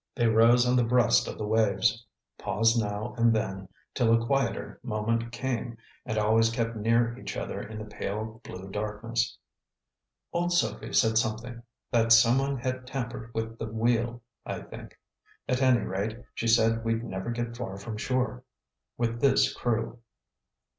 They rose on the breast of the waves, paused now and then till a quieter moment came, and always kept near each other in the pale blue darkness. "Old Sophie said something that some one had tampered with the wheel, I think. At any rate, she said we'd never get far from shore with this crew."